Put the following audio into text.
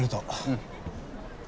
うん。